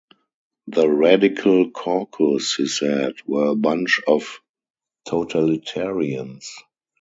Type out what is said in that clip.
The Radical Caucus, he said, were a bunch of totalitarians.